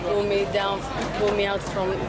kami menangis di sana karena kami takut dengan tsunami